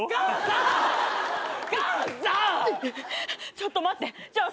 ちょっと待ってじゃあ